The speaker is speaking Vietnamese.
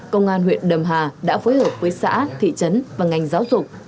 công an huyện đầm hà đã phối hợp với xã thị trấn và ngành giáo dục